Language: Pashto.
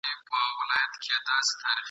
ګیدړ وویل اوبه مي دي میندلي ..